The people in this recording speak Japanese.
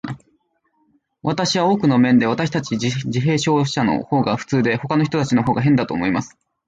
私は、多くの面で、私たち自閉症者のほうが普通で、ほかの人たちのほうが変だと思います。